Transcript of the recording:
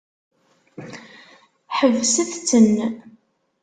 Ḥebset-ten!